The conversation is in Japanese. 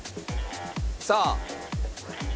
さあ。